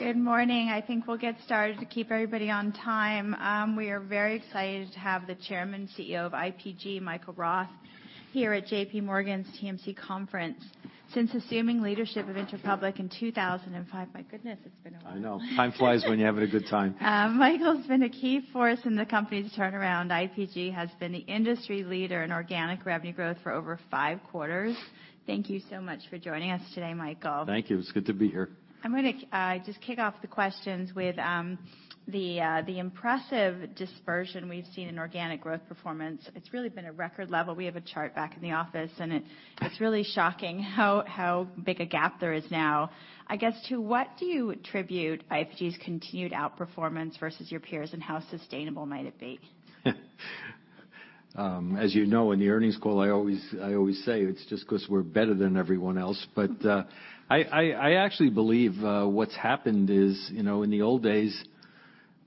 Good morning. I think we'll get started to keep everybody on time. We are very excited to have the Chairman and CEO of IPG, Michael Roth, here at J.P. Morgan's TMC Conference. Since assuming leadership of Interpublic in 2005, my goodness, it's been a while. I know. Time flies when you have a good time. Michael's been a key force in the company's turnaround. IPG has been the industry leader in organic revenue growth for over five quarters. Thank you so much for joining us today, Michael. Thank you. It's good to be here. I'm going to just kick off the questions with the impressive dispersion we've seen in organic growth performance. It's really been a record level. We have a chart back in the office, and it's really shocking how big a gap there is now. I guess, to what do you attribute IPG's continued outperformance versus your peers, and how sustainable might it be? As you know, in the earnings call, I always say it's just because we're better than everyone else, but I actually believe what's happened is, in the old days,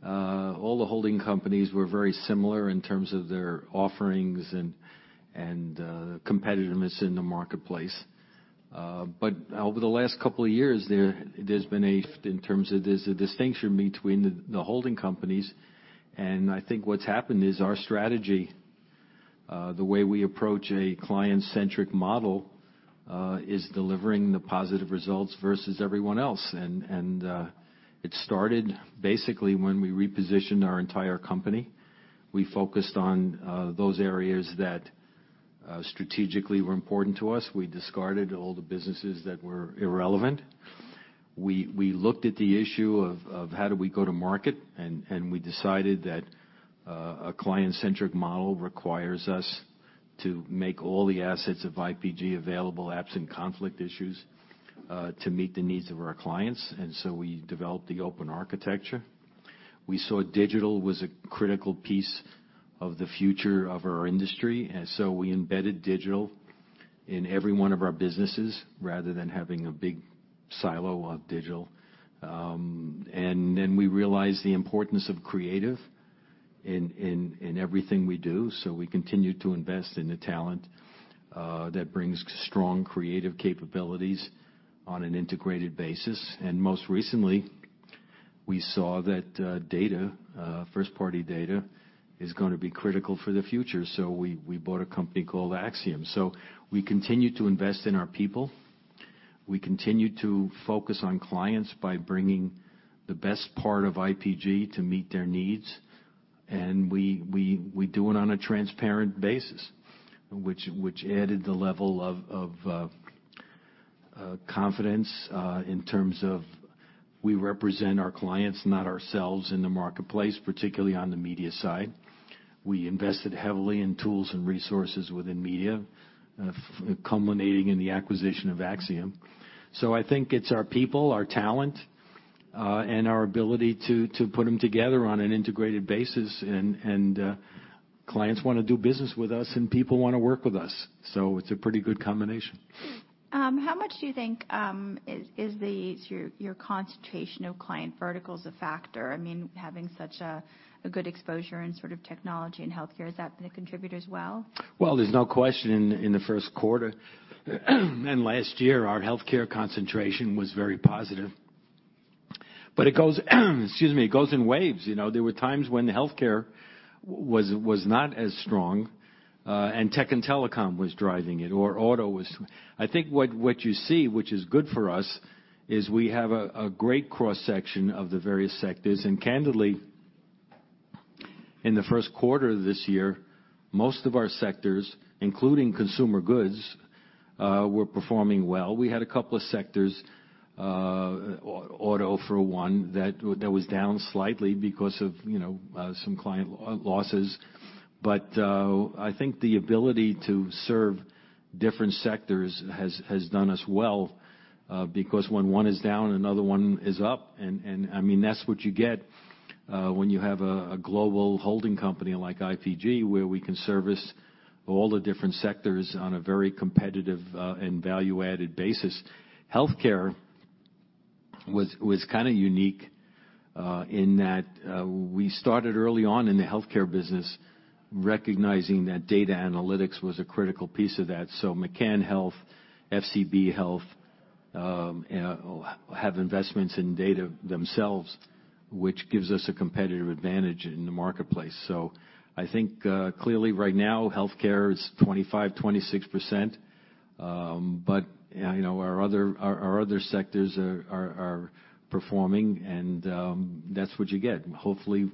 all the holding companies were very similar in terms of their offerings and competitiveness in the marketplace, but over the last couple of years, there's been a shift in terms of there's a distinction between the holding companies, and I think what's happened is our strategy, the way we approach a client-centric model, is delivering the positive results versus everyone else, and it started basically when we repositioned our entire company. We focused on those areas that strategically were important to us. We discarded all the businesses that were irrelevant. We looked at the issue of how do we go to market, and we decided that a client-centric model requires us to make all the assets of IPG available absent conflict issues to meet the needs of our clients, and so we developed the open architecture. We saw digital was a critical piece of the future of our industry, and so we embedded digital in every one of our businesses rather than having a big silo of digital, and then we realized the importance of creative in everything we do, so we continue to invest in the talent that brings strong creative capabilities on an integrated basis, and most recently, we saw that data, first-party data, is going to be critical for the future, so we bought a company called Acxiom, so we continue to invest in our people. We continue to focus on clients by bringing the best part of IPG to meet their needs, and we do it on a transparent basis, which added the level of confidence in terms of we represent our clients, not ourselves, in the marketplace, particularly on the media side. We invested heavily in tools and resources within media, culminating in the acquisition of Acxiom, so I think it's our people, our talent, and our ability to put them together on an integrated basis, and clients want to do business with us, and people want to work with us, so it's a pretty good combination. How much do you think is your concentration of client verticals a factor? I mean, having such a good exposure in sort of technology and healthcare, has that been a contributor as well? There's no question in the first quarter and last year, our healthcare concentration was very positive. But it goes. Excuse me, it goes in waves. There were times when healthcare was not as strong, and tech and telecom was driving it, or auto was. I think what you see, which is good for us, is we have a great cross-section of the various sectors, and candidly, in the first quarter of this year, most of our sectors, including consumer goods, were performing well. We had a couple of sectors, auto for one, that was down slightly because of some client losses. But I think the ability to serve different sectors has done us well because when one is down, another one is up. I mean, that's what you get when you have a global holding company like IPG, where we can service all the different sectors on a very competitive and value-added basis. Healthcare was kind of unique in that we started early on in the healthcare business recognizing that data analytics was a critical piece of that. So McCann Health, FCB Health have investments in data themselves, which gives us a competitive advantage in the marketplace. So I think clearly right now, healthcare is 25%-26%. But our other sectors are performing, and that's what you get. Hopefully,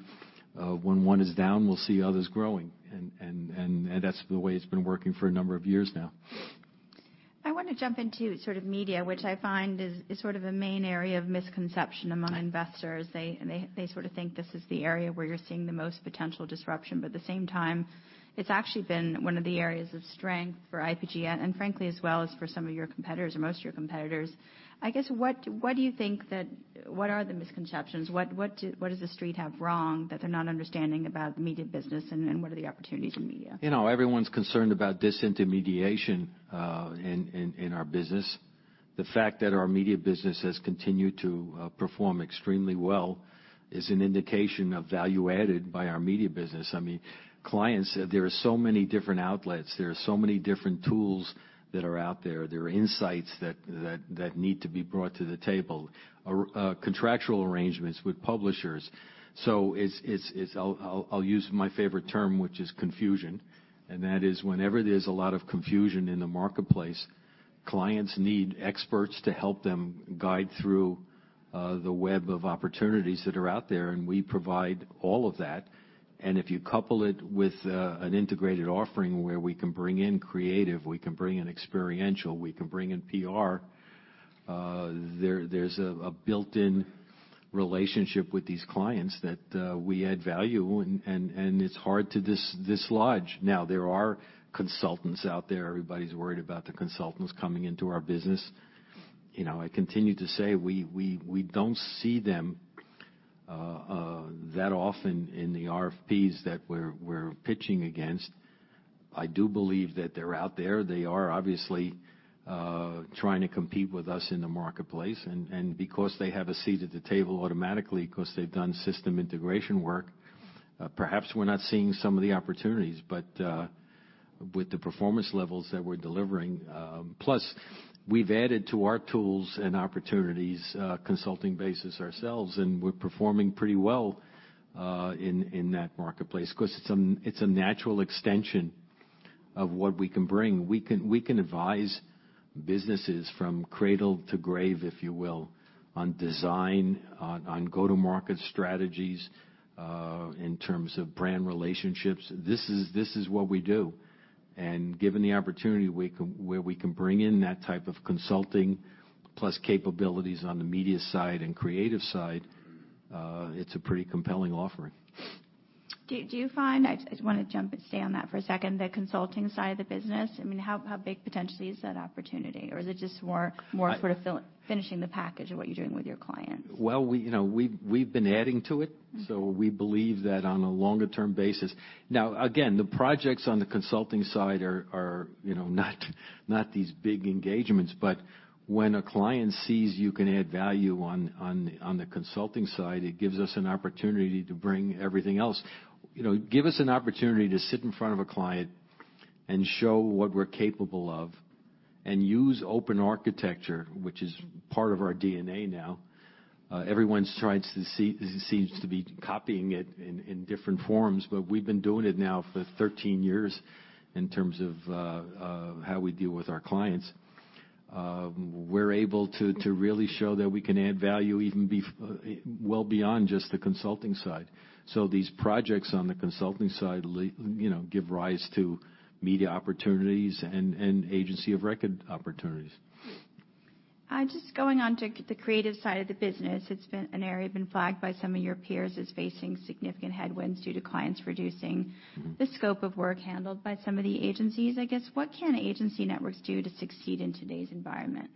when one is down, we'll see others growing. And that's the way it's been working for a number of years now. I want to jump into sort of media, which I find is sort of a main area of misconception among investors. They sort of think this is the area where you're seeing the most potential disruption. But at the same time, it's actually been one of the areas of strength for IPG, and frankly, as well as for some of your competitors or most of your competitors. I guess, what do you think that what are the misconceptions? What does the street have wrong that they're not understanding about the media business, and what are the opportunities in media? Everyone's concerned about disintermediation in our business. The fact that our media business has continued to perform extremely well is an indication of value added by our media business. I mean, clients, there are so many different outlets. There are so many different tools that are out there. There are insights that need to be brought to the table, contractual arrangements with publishers. So I'll use my favorite term, which is confusion. And that is whenever there's a lot of confusion in the marketplace, clients need experts to help them guide through the web of opportunities that are out there. And we provide all of that. And if you couple it with an integrated offering where we can bring in creative, we can bring in experiential, we can bring in PR, there's a built-in relationship with these clients that we add value, and it's hard to dislodge. Now, there are consultants out there. Everybody's worried about the consultants coming into our business. I continue to say we don't see them that often in the RFPs that we're pitching against. I do believe that they're out there. They are obviously trying to compete with us in the marketplace, and because they have a seat at the table automatically, because they've done system integration work, perhaps we're not seeing some of the opportunities, but with the performance levels that we're delivering, plus we've added to our tools and opportunities consulting basis ourselves, and we're performing pretty well in that marketplace because it's a natural extension of what we can bring. We can advise businesses from cradle to grave, if you will, on design, on go-to-market strategies in terms of brand relationships. This is what we do. Given the opportunity where we can bring in that type of consulting plus capabilities on the media side and creative side, it's a pretty compelling offering. Do you find, I want to jump and stay on that for a second, the consulting side of the business? I mean, how big potentially is that opportunity? Or is it just more sort of finishing the package of what you're doing with your clients? Well, we've been adding to it. So we believe that on a longer-term basis. Now, again, the projects on the consulting side are not these big engagements. But when a client sees you can add value on the consulting side, it gives us an opportunity to bring everything else, give us an opportunity to sit in front of a client and show what we're capable of and use open architecture, which is part of our DNA now. Everyone seems to be copying it in different forms, but we've been doing it now for 13 years in terms of how we deal with our clients. We're able to really show that we can add value even well beyond just the consulting side. So these projects on the consulting side give rise to media opportunities and agency of record opportunities. Just going on to the creative side of the business, it's been an area flagged by some of your peers as facing significant headwinds due to clients reducing the scope of work handled by some of the agencies. I guess, what can agency networks do to succeed in today's environment?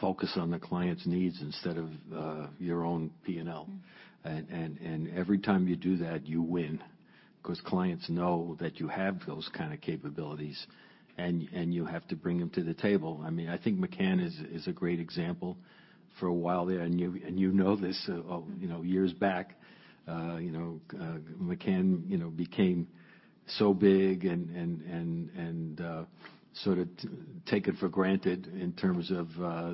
Focus on the client's needs instead of your own P&L. And every time you do that, you win because clients know that you have those kind of capabilities, and you have to bring them to the table. I mean, I think McCann is a great example. For a while there, and you know this years back, McCann became so big and sort of taken for granted in terms of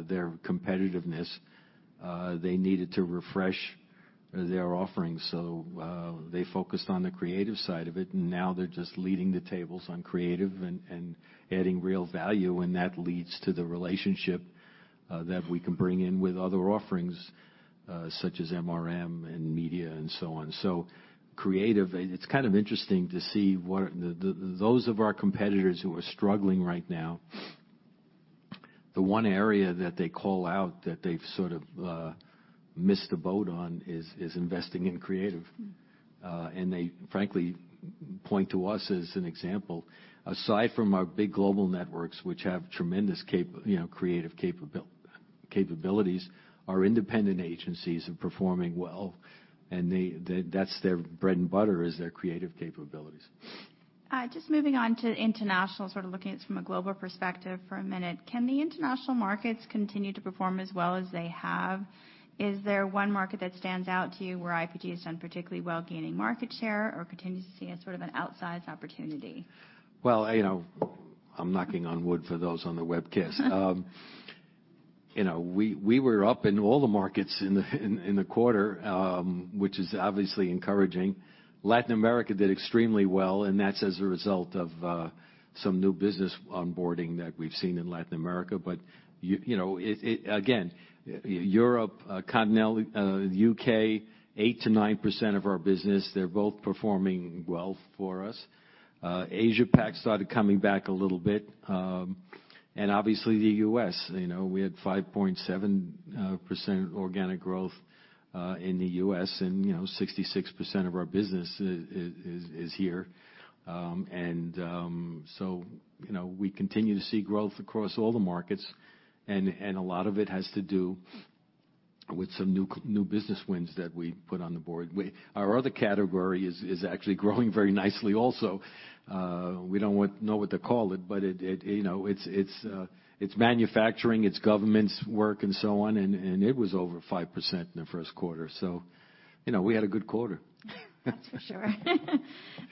their competitiveness. They needed to refresh their offerings. So they focused on the creative side of it, and now they're just leading the tables on creative and adding real value. And that leads to the relationship that we can bring in with other offerings such as MRM and media and so on. So, creative, it's kind of interesting to see those of our competitors who are struggling right now. The one area that they call out that they've sort of missed the boat on is investing in creative. And they, frankly, point to us as an example. Aside from our big global networks, which have tremendous creative capabilities, our independent agencies are performing well. And that's their bread and butter is their creative capabilities. Just moving on to international, sort of looking at it from a global perspective for a minute. Can the international markets continue to perform as well as they have? Is there one market that stands out to you where IPG has done particularly well gaining market share or continues to see as sort of an outsized opportunity? I'm knocking on wood for those on the webcast. We were up in all the markets in the quarter, which is obviously encouraging. Latin America did extremely well, and that's as a result of some new business onboarding that we've seen in Latin America. But again, Europe, Continental, U.K., 8%-9% of our business. They're both performing well for us. Asia-Pac started coming back a little bit, and obviously the U.S. We had 5.7% organic growth in the U.S., and 66% of our business is here, and so we continue to see growth across all the markets, and a lot of it has to do with some new business wins that we put on the board. Our other category is actually growing very nicely also. We don't know what to call it, but it's manufacturing, it's government work, and so on. And it was over 5% in the first quarter. So we had a good quarter. That's for sure.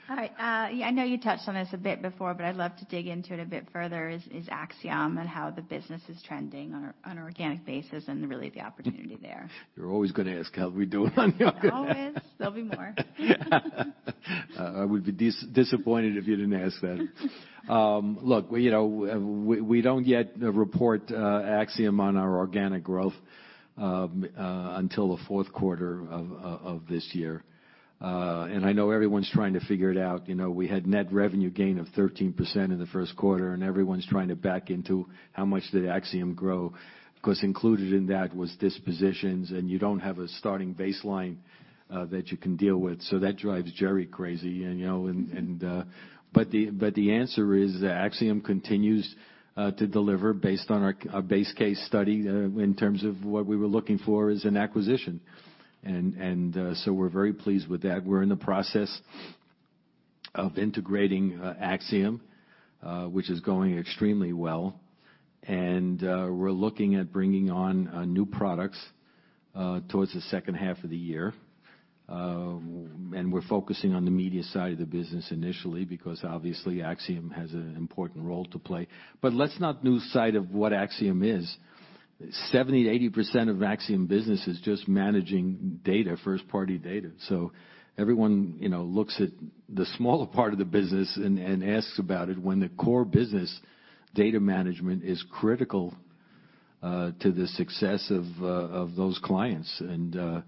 All right. I know you touched on this a bit before, but I'd love to dig into it a bit further is Acxiom and how the business is trending on an organic basis and really the opportunity there. You're always going to ask, "How do we do it on the organic? Always. There'll be more. I would be disappointed if you didn't ask that. Look, we don't yet report Acxiom on our organic growth until the fourth quarter of this year. And I know everyone's trying to figure it out. We had net revenue gain of 13% in the first quarter, and everyone's trying to back into how much did Acxiom grow because included in that was dispositions, and you don't have a starting baseline that you can deal with. So that drives Jerry crazy. But the answer is that Acxiom continues to deliver based on our base case study in terms of what we were looking for is an acquisition. And so we're very pleased with that. We're in the process of integrating Acxiom, which is going extremely well. And we're looking at bringing on new products towards the second half of the year. And we're focusing on the media side of the business initially because obviously Acxiom has an important role to play. But let's not lose sight of what Acxiom is. 70%-80% of Acxiom business is just managing data, first-party data. So everyone looks at the smaller part of the business and asks about it when the core business data management is critical to the success of those clients. And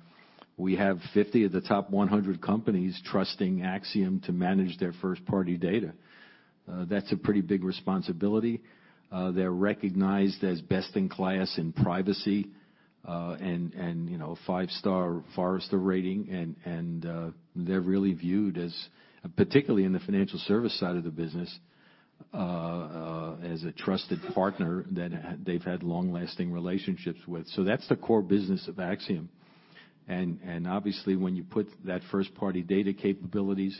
we have 50 of the top 100 companies trusting Acxiom to manage their first-party data. That's a pretty big responsibility. They're recognized as best in class in privacy and five-star Forrester rating. And they're really viewed as, particularly in the financial service side of the business, as a trusted partner that they've had long-lasting relationships with. So that's the core business of Acxiom. And obviously, when you put that first-party data capabilities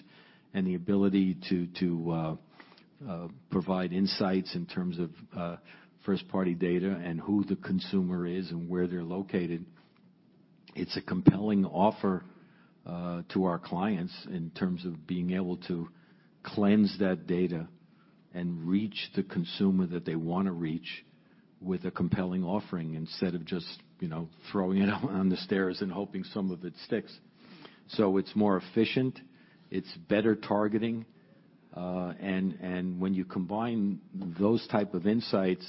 and the ability to provide insights in terms of first-party data and who the consumer is and where they're located, it's a compelling offer to our clients in terms of being able to cleanse that data and reach the consumer that they want to reach with a compelling offering instead of just throwing it on the stairs and hoping some of it sticks. So it's more efficient. It's better targeting. And when you combine those types of insights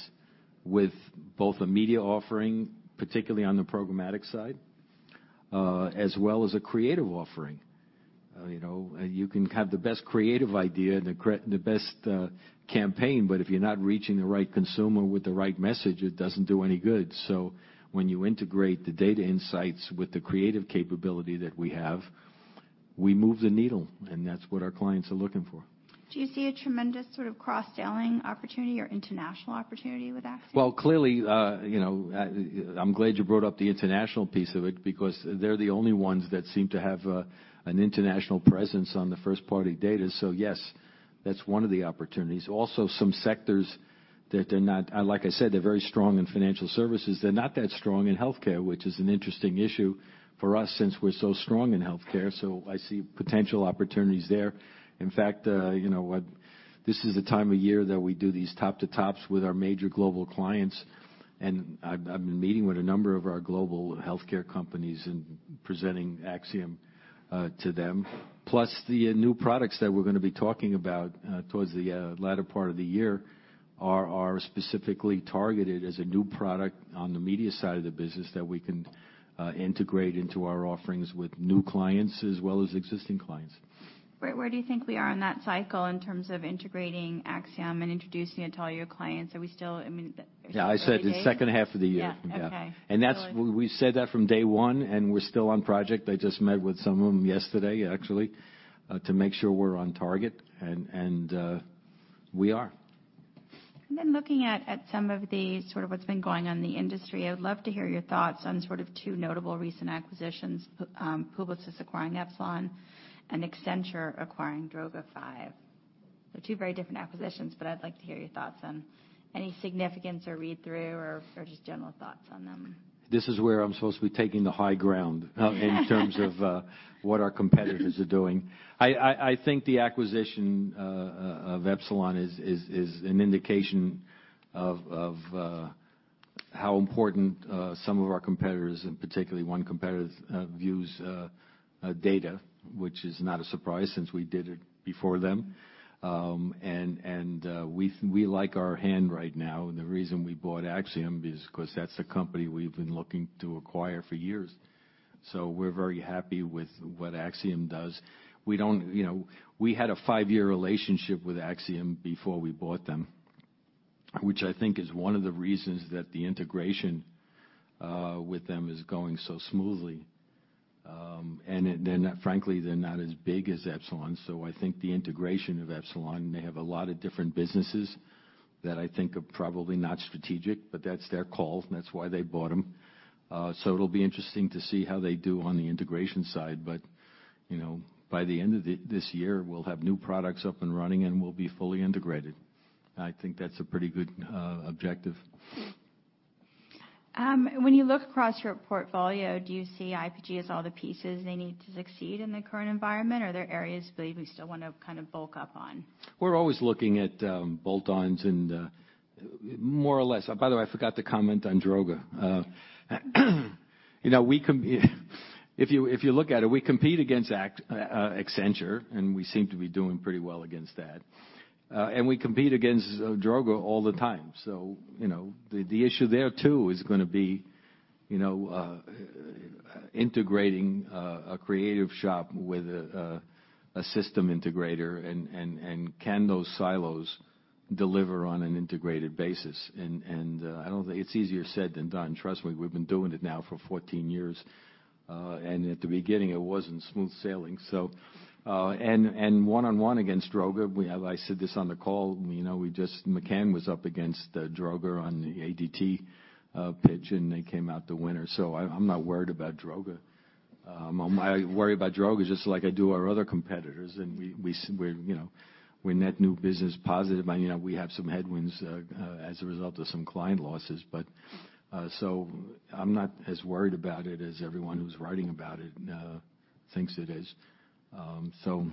with both a media offering, particularly on the programmatic side, as well as a creative offering, you can have the best creative idea and the best campaign, but if you're not reaching the right consumer with the right message, it doesn't do any good. So when you integrate the data insights with the creative capability that we have, we move the needle. That's what our clients are looking for. Do you see a tremendous sort of cross-selling opportunity or international opportunity with Acxiom? Clearly, I'm glad you brought up the international piece of it because they're the only ones that seem to have an international presence on the first-party data. Yes, that's one of the opportunities. Also, some sectors that they're not, like I said, they're very strong in financial services. They're not that strong in healthcare, which is an interesting issue for us since we're so strong in healthcare. I see potential opportunities there. In fact, this is the time of year that we do these top-to-tops with our major global clients. I've been meeting with a number of our global healthcare companies and presenting Acxiom to them. Plus, the new products that we're going to be talking about towards the latter part of the year are specifically targeted as a new product on the media side of the business that we can integrate into our offerings with new clients as well as existing clients. Where do you think we are on that cycle in terms of integrating Acxiom and introducing it to all your clients? Are we still? Yeah, I said the second half of the year. Yeah. Okay. And we've said that from day one, and we're still on project. I just met with some of them yesterday, actually, to make sure we're on target. And we are. And then looking at some of the sort of what's been going on in the industry, I would love to hear your thoughts on sort of two notable recent acquisitions: Publicis acquiring Epsilon and Accenture acquiring Droga5. They're two very different acquisitions, but I'd like to hear your thoughts on any significance or read-through or just general thoughts on them. This is where I'm supposed to be taking the high ground in terms of what our competitors are doing. I think the acquisition of Epsilon is an indication of how important some of our competitors, and particularly one competitor, views data, which is not a surprise since we did it before them. And we like our hand right now. And the reason we bought Acxiom is because that's a company we've been looking to acquire for years. So we're very happy with what Acxiom does. We had a five-year relationship with Acxiom before we bought them, which I think is one of the reasons that the integration with them is going so smoothly. And frankly, they're not as big as Epsilon. So I think the integration of Epsilon, they have a lot of different businesses that I think are probably not strategic, but that's their call, and that's why they bought them. So it'll be interesting to see how they do on the integration side. But by the end of this year, we'll have new products up and running, and we'll be fully integrated. I think that's a pretty good objective. When you look across your portfolio, do you see IPG as all the pieces they need to succeed in the current environment? Are there areas you believe we still want to kind of bulk up on? We're always looking at bolt-ons and more or less. By the way, I forgot to comment on Droga. If you look at it, we compete against Accenture, and we seem to be doing pretty well against that, and we compete against Droga all the time. So the issue there too is going to be integrating a creative shop with a system integrator and can those silos deliver on an integrated basis, and I don't think it's easier said than done. Trust me, we've been doing it now for 14 years, and at the beginning, it wasn't smooth sailing, and one-on-one against Droga, I said this on the call, McCann was up against Droga on the ADT pitch, and they came out the winner, so I'm not worried about Droga. I worry about Droga just like I do our other competitors, and we're net new business positive. I mean, we have some headwinds as a result of some client losses. But so I'm not as worried about it as everyone who's writing about it thinks it is. So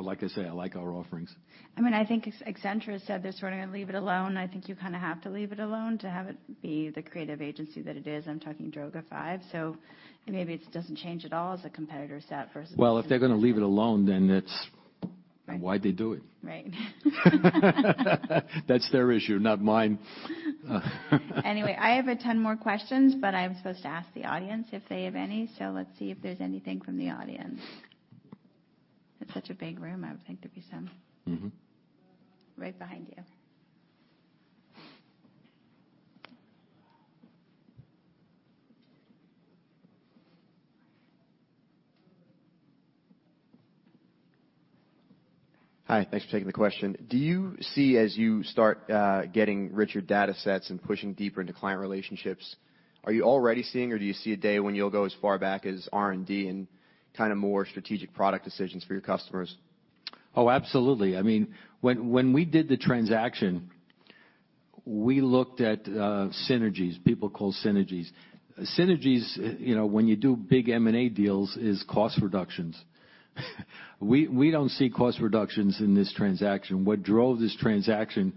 like I say, I like our offerings. I mean, I think Accenture said they're sort of going to leave it alone. I think you kind of have to leave it alone to have it be the creative agency that it is. I'm talking Droga5. So maybe it doesn't change at all as a competitor set versus. If they're going to leave it alone, then why'd they do it? Right. That's their issue, not mine. Anyway, I have 10 more questions, but I'm supposed to ask the audience if they have any. So let's see if there's anything from the audience. It's such a big room. I would think there'd be some right behind you. Hi. Thanks for taking the question. Do you see, as you start getting richer data sets and pushing deeper into client relationships, are you already seeing, or do you see a day when you'll go as far back as R&D and kind of more strategic product decisions for your customers? Oh, absolutely. I mean, when we did the transaction, we looked at synergies, people call synergies. Synergies, when you do big M&A deals, is cost reductions. We don't see cost reductions in this transaction. What drove this transaction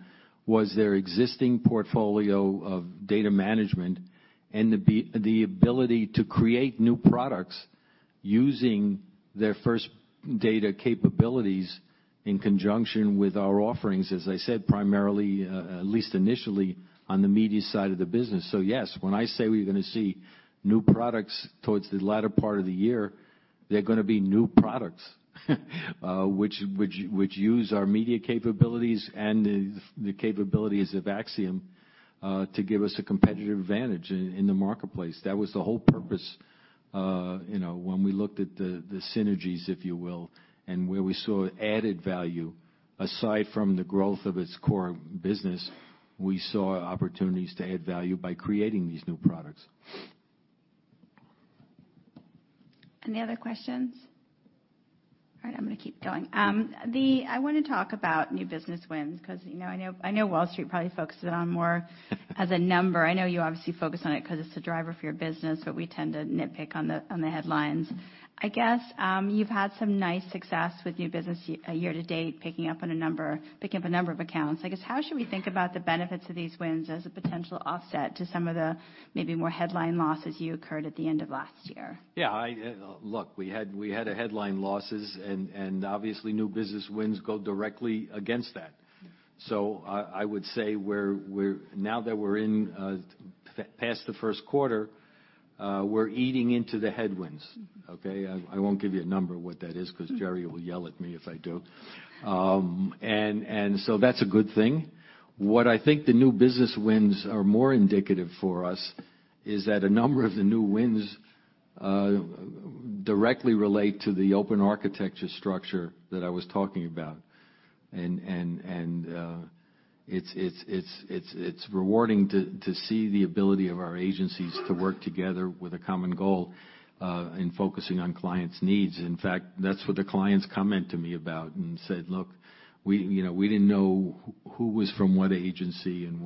was their existing portfolio of data management and the ability to create new products using their first-party data capabilities in conjunction with our offerings, as I said, primarily, at least initially, on the media side of the business. So yes, when I say we're going to see new products towards the latter part of the year, they're going to be new products which use our media capabilities and the capabilities of Acxiom to give us a competitive advantage in the marketplace. That was the whole purpose when we looked at the synergies, if you will, and where we saw added value. Aside from the growth of its core business, we saw opportunities to add value by creating these new products. Any other questions? All right. I'm going to keep going. I want to talk about new business wins because I know Wall Street probably focuses on more as a number. I know you obviously focus on it because it's the driver for your business, but we tend to nitpick on the headlines. I guess you've had some nice success with new business year to date, picking up on a number, picking up a number of accounts. I guess how should we think about the benefits of these wins as a potential offset to some of the maybe more headline losses you occurred at the end of last year? Yeah. Look, we had headline losses, and obviously, new business wins go directly against that. So I would say now that we're past the first quarter, we're eating into the headwinds. Okay? I won't give you a number of what that is because Jerry will yell at me if I do. And so that's a good thing. What I think the new business wins are more indicative for us is that a number of the new wins directly relate to the open architecture structure that I was talking about. And it's rewarding to see the ability of our agencies to work together with a common goal in focusing on clients' needs. In fact, that's what the clients comment to me about and said, "Look, we didn't know who was from what agency and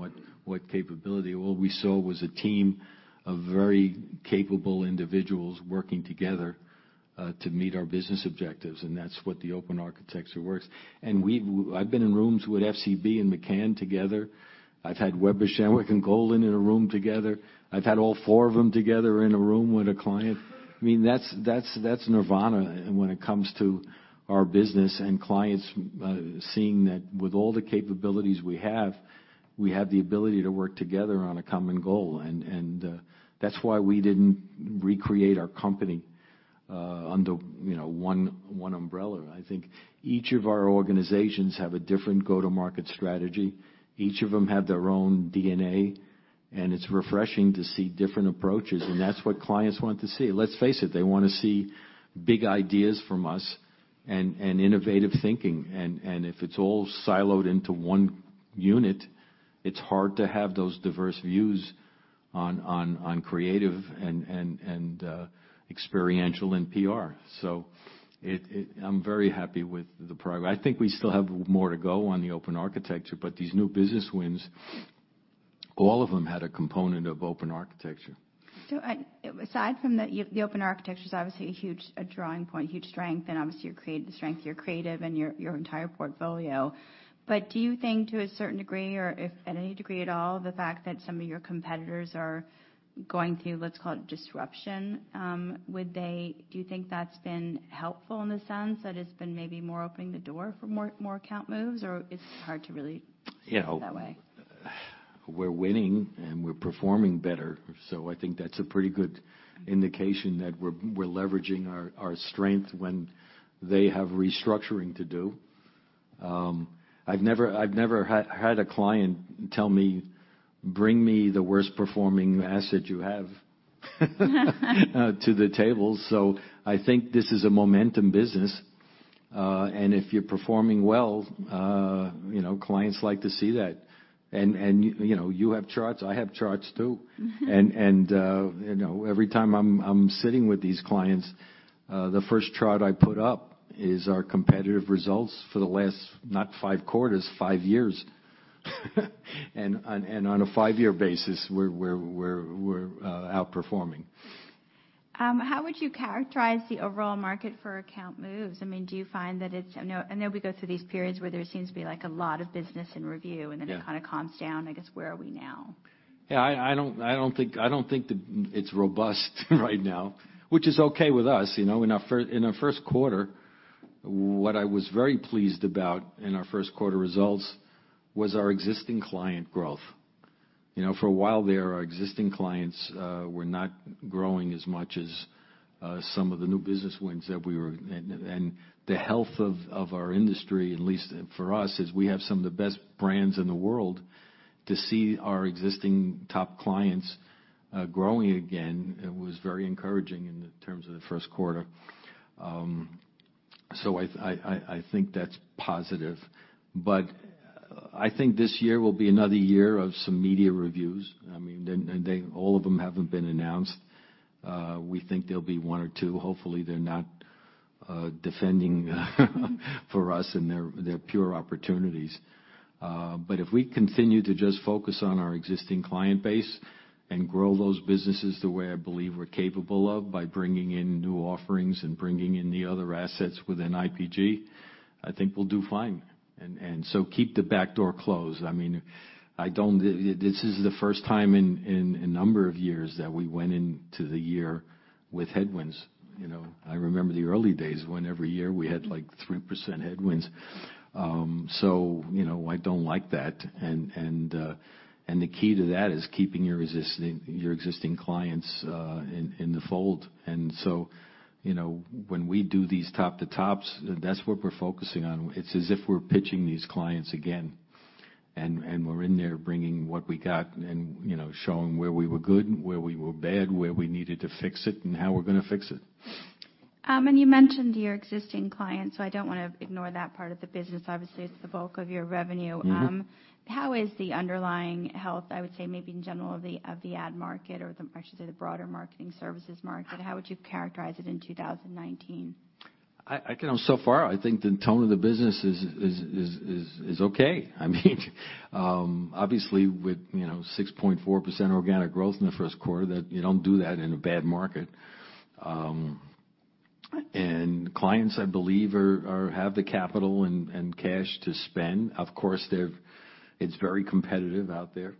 what capability." All we saw was a team of very capable individuals working together to meet our business objectives. And that's what the open architecture works. And I've been in rooms with FCB and McCann together. I've had Weber Shandwick and Golin in a room together. I've had all four of them together in a room with a client. I mean, that's nirvana when it comes to our business and clients seeing that with all the capabilities we have, we have the ability to work together on a common goal. And that's why we didn't recreate our company under one umbrella. I think each of our organizations have a different go-to-market strategy. Each of them have their own DNA. And it's refreshing to see different approaches. And that's what clients want to see. Let's face it, they want to see big ideas from us and innovative thinking. And if it's all siloed into one unit, it's hard to have those diverse views on creative and experiential and PR. So I'm very happy with the program. I think we still have more to go on the open architecture, but these new business wins, all of them had a component of open architecture. Aside from the Open architecture is obviously a huge drawing point, huge strength. And obviously, you created the strength of your creative and your entire portfolio. But do you think to a certain degree or at any degree at all, the fact that some of your competitors are going through, let's call it disruption, do you think that's been helpful in the sense that it's been maybe more opening the door for more account moves or it's hard to really think that way? We're winning and we're performing better, so I think that's a pretty good indication that we're leveraging our strength when they have restructuring to do. I've never had a client tell me, "Bring me the worst-performing asset you have to the table," so I think this is a momentum business, and if you're performing well, clients like to see that, and you have charts. I have charts too, and every time I'm sitting with these clients, the first chart I put up is our competitive results for the last, not five quarters, five years, and on a five-year basis, we're outperforming. How would you characterize the overall market for account moves? I mean, do you find that it's, and then we go through these periods where there seems to be a lot of business in review, and then it kind of calms down. I guess where are we now? Yeah. I don't think it's robust right now, which is okay with us. In our first quarter, what I was very pleased about in our first quarter results was our existing client growth. For a while there, our existing clients were not growing as much as some of the new business wins that we were. And the health of our industry, at least for us, is we have some of the best brands in the world. To see our existing top clients growing again was very encouraging in terms of the first quarter. So I think that's positive. But I think this year will be another year of some media reviews. I mean, all of them haven't been announced. We think there'll be one or two. Hopefully, they're not defending for us in their pure opportunities. But if we continue to just focus on our existing client base and grow those businesses the way I believe we're capable of by bringing in new offerings and bringing in the other assets within IPG, I think we'll do fine. And so keep the back door closed. I mean, this is the first time in a number of years that we went into the year with headwinds. I remember the early days when every year we had like 3% headwinds. So I don't like that. And the key to that is keeping your existing clients in the fold. And so when we do these top-to-tops, that's what we're focusing on. It's as if we're pitching these clients again. And we're in there bringing what we got and showing where we were good, where we were bad, where we needed to fix it, and how we're going to fix it. You mentioned your existing clients, so I don't want to ignore that part of the business. Obviously, it's the bulk of your revenue. How is the underlying health, I would say maybe in general, of the ad market or, I should say, the broader marketing services market? How would you characterize it in 2019? So far, I think the tone of the business is okay. I mean, obviously, with 6.4% organic growth in the first quarter, you don't do that in a bad market. And clients, I believe, have the capital and cash to spend. Of course, it's very competitive out there.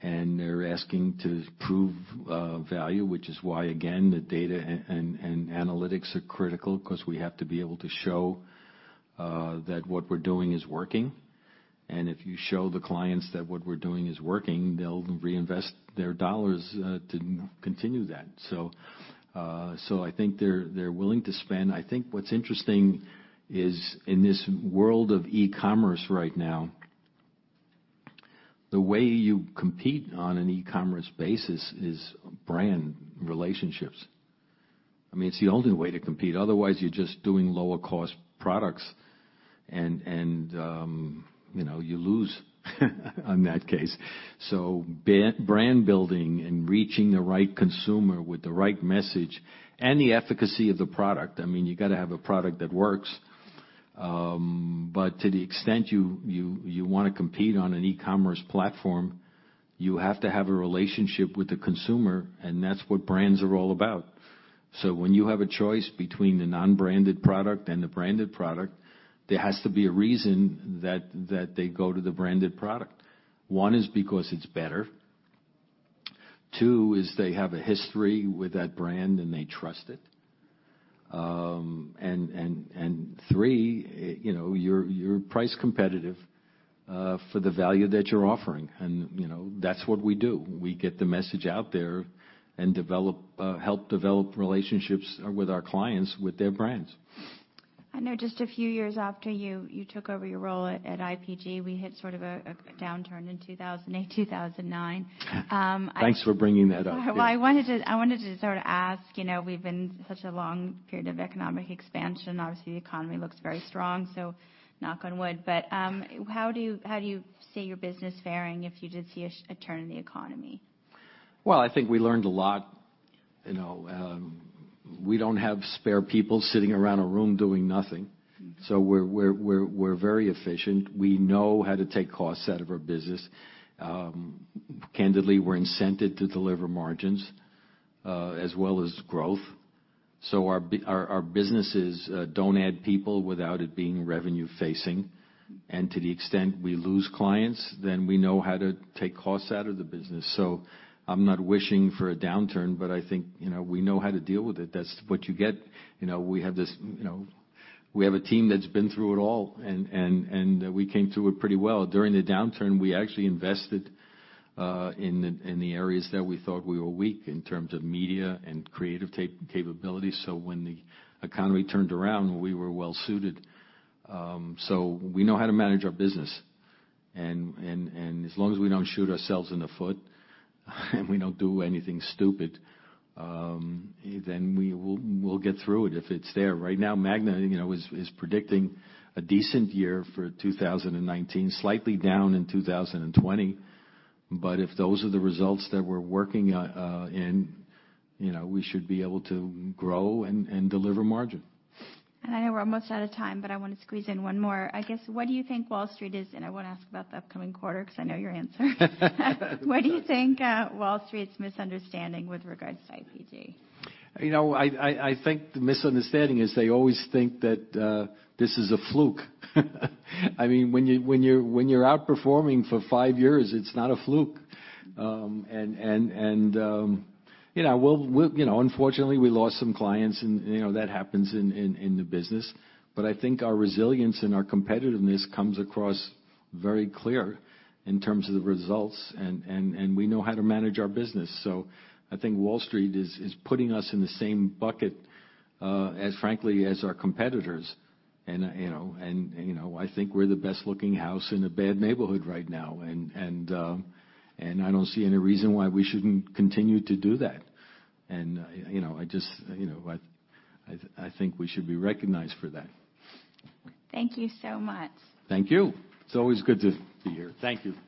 And they're asking to prove value, which is why, again, the data and analytics are critical because we have to be able to show that what we're doing is working. And if you show the clients that what we're doing is working, they'll reinvest their dollars to continue that. So I think they're willing to spend. I think what's interesting is in this world of e-commerce right now, the way you compete on an e-commerce basis is brand relationships. I mean, it's the only way to compete. Otherwise, you're just doing lower-cost products and you lose in that case. So brand building and reaching the right consumer with the right message and the efficacy of the product, I mean, you got to have a product that works. But to the extent you want to compete on an e-commerce platform, you have to have a relationship with the consumer, and that's what brands are all about. So when you have a choice between the non-branded product and the branded product, there has to be a reason that they go to the branded product. One is because it's better. Two is they have a history with that brand and they trust it. And three, you're price competitive for the value that you're offering. And that's what we do. We get the message out there and help develop relationships with our clients with their brands. I know just a few years after you took over your role at IPG, we hit sort of a downturn in 2008, 2009. Thanks for bringing that up. I wanted to sort of ask, we've been such a long period of economic expansion. Obviously, the economy looks very strong, so knock on wood. But how do you see your business faring if you did see a turn in the economy? I think we learned a lot. We don't have spare people sitting around a room doing nothing. So we're very efficient. We know how to take costs out of our business. Candidly, we're incented to deliver margins as well as growth. So our businesses don't add people without it being revenue-facing. And to the extent we lose clients, then we know how to take costs out of the business. So I'm not wishing for a downturn, but I think we know how to deal with it. That's what you get. We have a team that's been through it all, and we came through it pretty well. During the downturn, we actually invested in the areas that we thought we were weak in terms of media and creative capabilities. So when the economy turned around, we were well-suited. So we know how to manage our business. As long as we don't shoot ourselves in the foot and we don't do anything stupid, then we'll get through it if it's there. Right now, Magna is predicting a decent year for 2019, slightly down in 2020. If those are the results that we're working in, we should be able to grow and deliver margin. And I know we're almost out of time, but I want to squeeze in one more. I guess what do you think Wall Street is, and I want to ask about the upcoming quarter because I know your answer. What do you think Wall Street's misunderstanding with regards to IPG? I think the misunderstanding is they always think that this is a fluke. I mean, when you're outperforming for five years, it's not a fluke. And unfortunately, we lost some clients, and that happens in the business. But I think our resilience and our competitiveness comes across very clear in terms of the results. And we know how to manage our business. So I think Wall Street is putting us in the same bucket, frankly, as our competitors. And I think we're the best-looking house in a bad neighborhood right now. And I don't see any reason why we shouldn't continue to do that. And I think we should be recognized for that. Thank you so much. Thank you. It's always good to be here. Thank you.